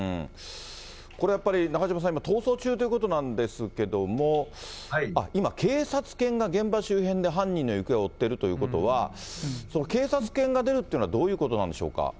これやっぱり、中島さんこれ今、逃走中ということなんですけども、今、警察犬が現場周辺で犯人の行方を追ってるということは、警察犬が出るっていうのはどういうことなんでしょうか。